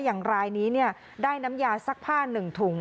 อย่างรายนี้เนี่ยได้น้ำยาสักผ้าหนึ่งถุง